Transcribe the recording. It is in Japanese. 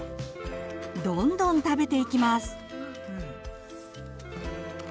どんどん食べていきます。